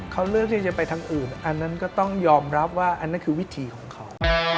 เขาเลือกที่จะไปทางอื่นอันนั้นก็ต้องยอมรับว่าอันนั้นคือวิถีของเขา